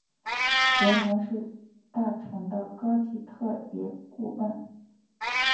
格伦是大臣的高级特别顾问。